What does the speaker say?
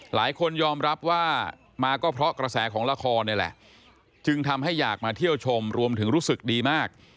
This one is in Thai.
หลายคนยอมรับว่ามาก็เพราะกระแสของละครนี่แหละจึงทำให้อยากมาเที่ยวชมรวมถึงรู้สึกดีมาก